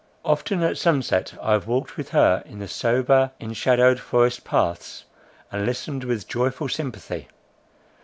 Often at sunset, I have walked with her, in the sober, enshadowed forest paths, and listened with joyful sympathy.